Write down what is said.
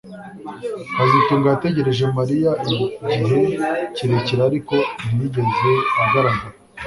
kazitunga yategereje Mariya igihe kirekire ariko ntiyigeze agaragara